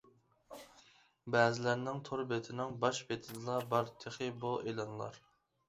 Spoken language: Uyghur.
بەزىلەرنىڭ تور بېتىنىڭ باش بېتىدىلا بار تېخى بۇ ئېلانلار.